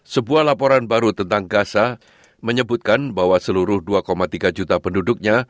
sebuah laporan baru tentang gaza menyebutkan bahwa seluruh dua tiga juta penduduknya